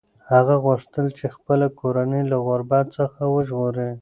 هغه غوښتل چې خپله کورنۍ له غربت څخه وژغوري.